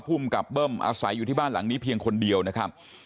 ภูมิกับเบิ้มอาศัยอยู่ที่บ้านหลังนี้เพียงคนเดียวนะครับ